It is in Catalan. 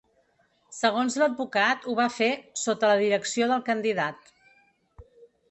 Segons l’advocat ho va fer ‘sota la direcció del candidat’.